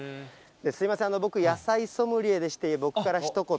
すみません、僕、野菜ソムリエでして、僕からひと言。